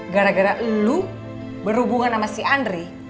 gara gara lu berhubungan sama si andri